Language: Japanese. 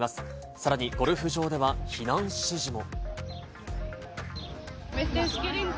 さらにゴルフ場では避難指示も。